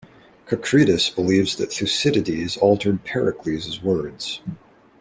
Kakridis believes that Thucydides altered Pericles words.